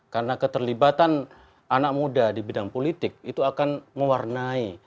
karena keterlibatan anak muda di bidang politik itu akan mewarnai